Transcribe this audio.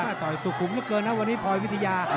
ต่อยสุขุมเหลือเกินนะวันนี้พลอยวิทยา